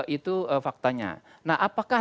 itu faktanya nah apakah